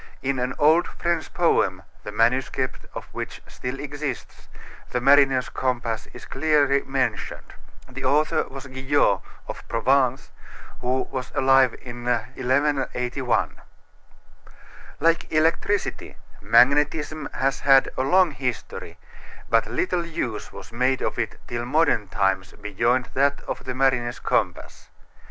In an old French poem, the manuscript of which still exists, the mariner's compass is clearly mentioned. The author was Guyot, of Provence, who was alive in 1181. Like electricity, magnetism has had a long history, but little use was made of it till modern times beyond that of the mariner's compass.